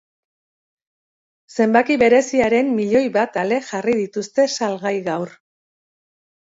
Zenbaki bereziaren milioi bat ale jarri dituzte salgai gaur.